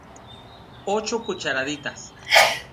ocho cucharaditas